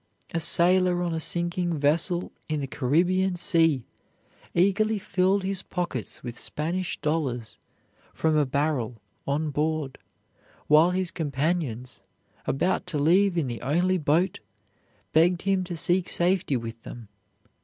A sailor on a sinking vessel in the Caribbean Sea eagerly filled his pockets with Spanish dollars from a barrel on board while his companions, about to leave in the only boat, begged him to seek safety with them.